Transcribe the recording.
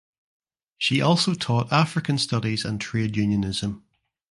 She also taught African studies and trade unionism.